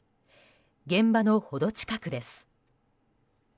現場の程近くです。